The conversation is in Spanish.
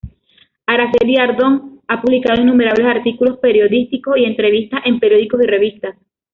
Araceli Ardón ha publicado innumerables artículos periodísticos y entrevistas en periódicos y revistas.